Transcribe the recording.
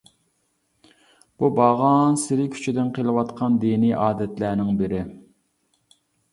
بۇ بارغانسېرى كۈچىدىن قېلىۋاتقان دىنىي ئادەتلەرنىڭ بىرى.